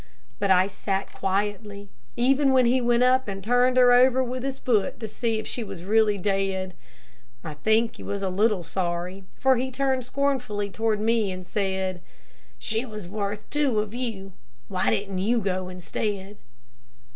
But I sat quietly, even when he went up and turned her over with his foot to see if she was really dead. I think he was a little sorry, for he turned scornfully toward me and said, "She was worth two of you; why didn't you go instead?"